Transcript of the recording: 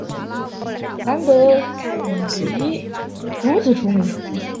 南德等即如此得名。